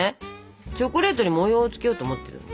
チョコレートに模様をつけようと思ってるんで。